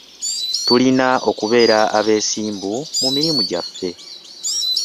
Tulina okubeera abeesimbu mu mirimu gyaffe.